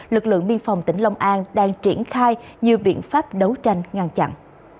lực lượng biên phòng tỉnh long an đang triển khai nhiều biện pháp đấu tranh ngăn chặn